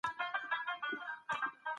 هغه یوه جاهله ټولنه مدنیت ته ورسوله.